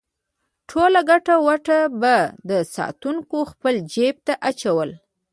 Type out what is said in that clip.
ټوله ګټه وټه به ساتونکو خپل جېب ته اچوله.